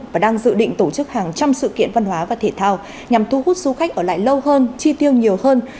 và đang dự định tổ chức hàng trăm sự kiện văn hóa và thể thao nhằm thu hút du khách ở lại lâu hơn chi tiêu nhiều hơn